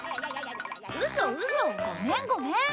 ウソウソごめんごめん。